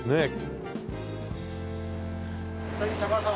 高田さん